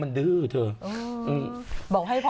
อ๋อมันดื้อเถอะ